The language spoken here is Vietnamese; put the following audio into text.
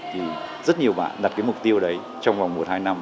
thì rất nhiều bạn đặt cái mục tiêu đấy trong vòng một hai năm